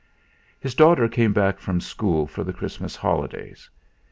His daughter came back from school for the Christmas holidays.